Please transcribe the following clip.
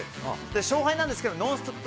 勝敗なんですが「ノンストップ！」